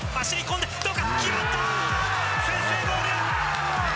先制ゴール！